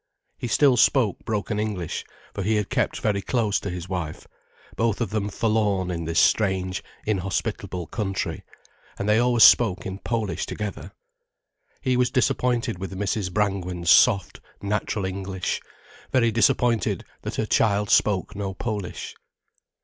He still spoke broken English, for he had kept very close to his wife, both of them forlorn in this strange, inhospitable country, and they always spoke in Polish together. He was disappointed with Mrs. Brangwen's soft, natural English, very disappointed that her child spoke no Polish.